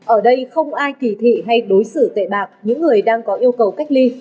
ở đây không ai kỳ thị hay đối xử tệ bạc những người đang có yêu cầu cách ly